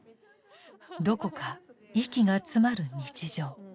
どこか息が詰まる日常。